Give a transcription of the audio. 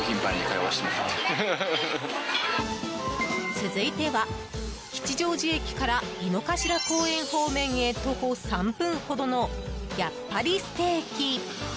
続いては吉祥寺駅から井の頭公園方面へ徒歩３分ほどのやっぱりステーキ。